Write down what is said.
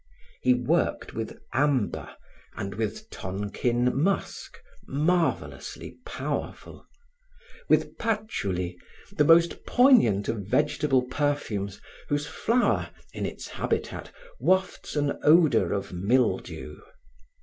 He worked with amber and with Tonkin musk, marvelously powerful; with patchouli, the most poignant of vegetable perfumes whose flower, in its habitat, wafts an odor of mildew.